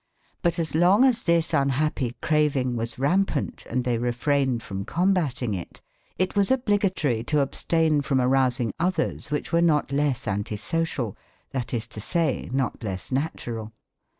But as long as this unhappy craving was rampant and they refrained from combating it, it was obligatory to abstain from arousing others which were not less anti social, that is to say, not less natural.